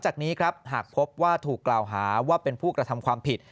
จากนี้ครับหากพบว่าถูกกล่าวหาว่าเป็นผู้กระทำความผิด